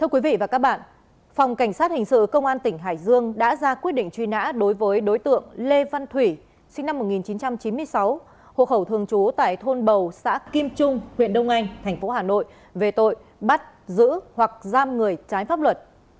quý vị và các bạn phòng cảnh sát hình sự công an tỉnh hải dương đã ra quyết định truy nã đối với đối tượng lê văn thủy sinh năm một nghìn chín trăm chín mươi sáu hộ khẩu thường trú tại thôn bầu xã kim trung huyện đông anh tp hà nội về tội bắt giữ hoặc giam người trái pháp luật